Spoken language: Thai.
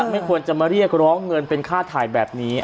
ไม่ควรจะมาเรียกร้องเงินเป็นค่าถ่ายแบบนี้